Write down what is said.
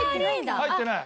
入ってない。